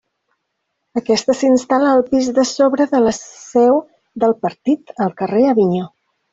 Aquesta s'instal·la al pis de sobre de la seu del partit al carrer Avinyó.